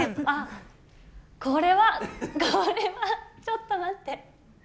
あっ、これはちょっと待って。